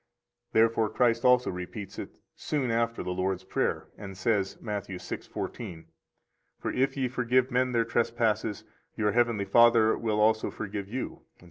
Therefore Christ also repeats it soon after the Lord's Prayer, and says, Matt. 6:14: For if ye forgive men their trespasses, your heavenly Father will also forgive you, etc.